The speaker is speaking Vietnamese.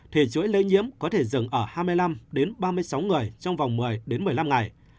thì chuỗi lây nhiễm có thể dừng ở hai mươi năm đến ba mươi sáu người trong vòng một mươi đến một mươi năm ngày